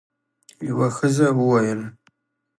یوه ښځه وویل: